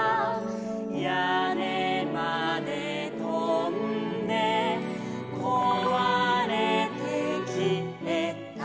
「屋根までとんでこわれてきえた」